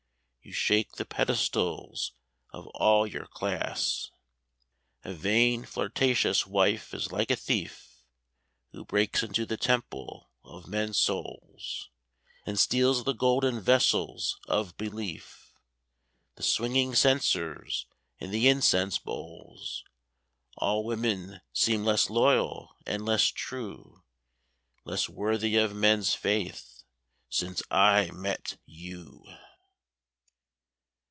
You shake the pedestals of all your class. A vain, flirtatious wife is like a thief Who breaks into the temple of men's souls, And steals the golden vessels of belief, The swinging censers, and the incense bowls. All women seem less loyal and less true, Less worthy of men's faith since I met you.